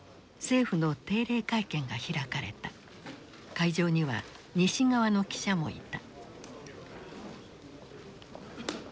会場には西側の記者もいた。